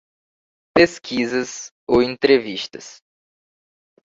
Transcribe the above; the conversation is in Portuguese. Pesquisas ou entrevistas.